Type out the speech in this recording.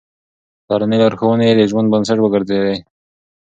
پلارنۍ لارښوونې يې د ژوند بنسټ وګرځېدې.